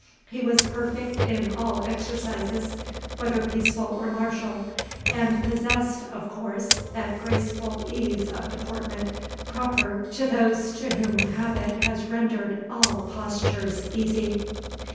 He was perfect in all exercises, whether peaceful or martial, and possessed, of course, that graceful ease of deportment proper to those to whom habit has rendered all postures easy.